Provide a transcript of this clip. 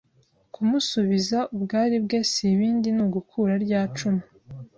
Kumusubiza ubwari bwe si ibindi ni ugukura rya cumu